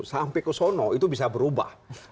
sampai ke sana itu bisa berubah